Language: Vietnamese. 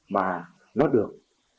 mà nó được